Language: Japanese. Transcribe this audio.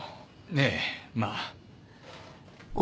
ええまあ。